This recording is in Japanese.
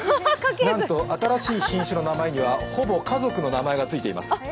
なんと新しい品種の名前にはほぼ家族の名前がついています。